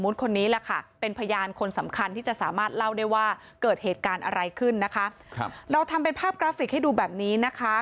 เราได้ว่าเกิดเหตุการณ์อะไรขึ้นนะคะเราทำเป็นภาพกราฟิกให้ดูแบบนี้นะคะ